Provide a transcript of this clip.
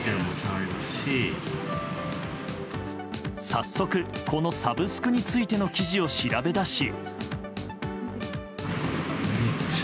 早速、このサブスクについての記事を調べ出し。